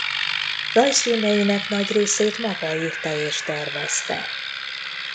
Rajzfilmjeinek nagy részét maga írta és tervezte.